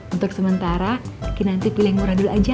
untuk sementara kinanti pilih yang murah dulu aja